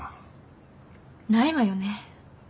ないわよね。